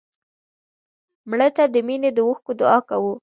مړه ته د مینې د اوښکو دعا کوو